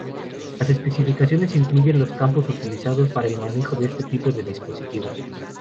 Las especificaciones incluyen los campos utilizados para el manejo de este tipo de dispositivos.